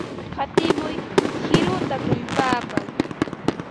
Hatimuy qiruta tullpaman.